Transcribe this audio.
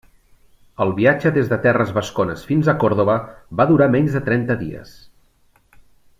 El viatge des de terres vascones fins a Còrdova va durar menys de trenta dies.